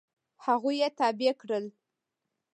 هغوی یې تابع کړل.